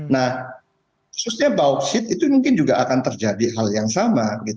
nah khususnya bauksit itu mungkin juga akan terjadi hal yang sama